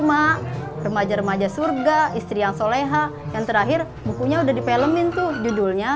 mak remaja remaja surga istri yang soleha yang terakhir bukunya udah dipelemin tuh judulnya